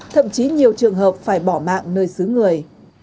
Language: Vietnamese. thậm chí nhiều trường hợp phải bỏ mạng nơi xứ người